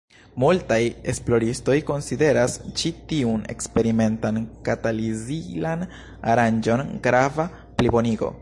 Multaj esploristoj konsideras ĉi tiun eksperimentan katalizilan aranĝon grava plibonigo.